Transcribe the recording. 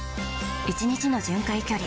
１日の巡回距離